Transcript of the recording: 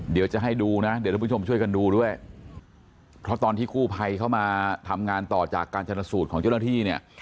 เดี๋ยวจะให้ดูนะเดี๋ยวทุกผู้ชมช่วยกันดูด้วยเพราะตอนที่กู้ภัยเข้ามาทำงานต่อจากการชนสูตรของเจ้าหน้าที่เนี่ย